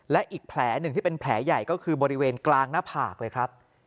และอีกแผลหนึ่งที่เป็นแผลใหญ่ก็คือบริเวณกลางหน้าผากเลยครับ